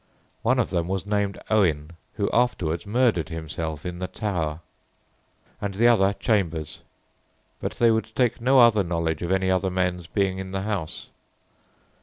One of them was named Owen, who afterwards murdered himself in the Tower; and the other Chambers; but they would take no other knowledge of any other men's being in the house.